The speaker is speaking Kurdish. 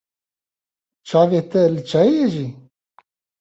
Çavê te li çayê ye jî?